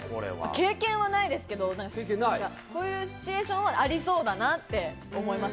経験はないんですけれど、こういうシチュエーションはありそうだなと思います。